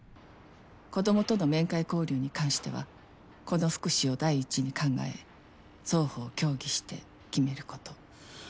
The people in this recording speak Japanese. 「子どもとの面会交流に関しては子の福祉を第一に考え双方協議して決めること」